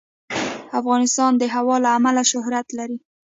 افغانستان د هوا له امله شهرت لري.